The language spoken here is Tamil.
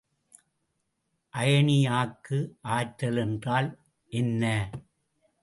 அயனியாக்கு ஆற்றல் என்றால் என்ன?